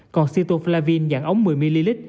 còn sitoflavin dạng ống một mươi ml